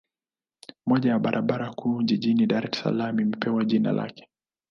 Moja ya barabara kuu jijini Dar es Salaam imepewa jina lake